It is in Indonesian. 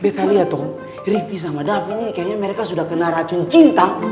betta liat tuh riffky sama devin ini kayaknya mereka sudah kena racun cinta